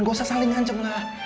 gak usah saling nganceng lah